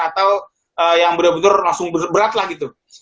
atau yang benar benar langsung berat lah gitu